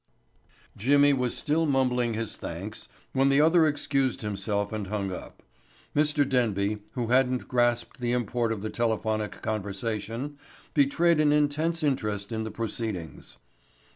Jimmy was still mumbling his thanks when the other excused himself and hung up. Mr. Denby, who hadn't grasped the import of the telephonic conversation, betrayed an intense interest in the proceedings.